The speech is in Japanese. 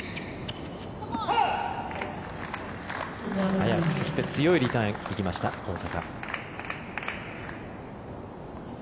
速くそして強いリターン行きました大坂。